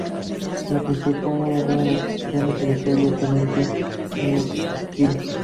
La principal barrera es la adquisición de uranio altamente enriquecido.